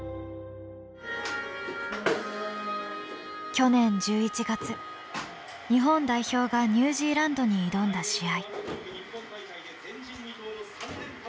去年１１月日本代表がニュージーランドに挑んだ試合。